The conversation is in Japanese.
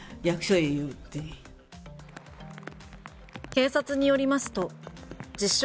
警察によりますと自称